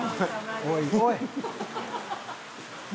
おいおい！